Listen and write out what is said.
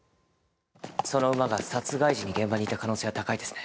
その馬が殺害時に現場にいた可能性は高いですね。